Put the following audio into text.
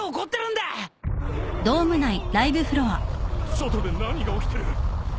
外で何が起きてる！？